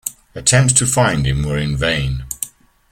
Attempts to find him were in vain.